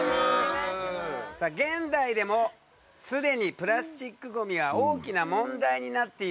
さあ現代でも既にプラスチックごみは大きな問題になっているんだ。